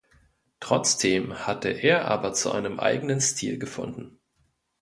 Trotzdem hatte er aber zu einem eigenen Stil gefunden.